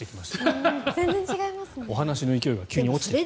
お話の勢いが急に落ちてきました。